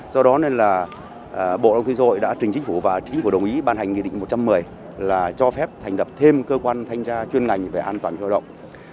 do đó nên là bộ đông kinh doanh đã trình chính phủ và chính phủ đồng ý ban hành nghị định một trăm một mươi là cho phép thành đập thêm cơ quan thanh tra chuyên ngành về an toàn lao động